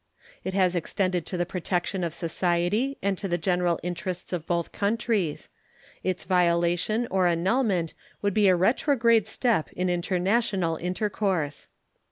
It has tended to the protection of society and to the general interests of both countries. Its violation or annulment would be a retrograde step in international intercourse.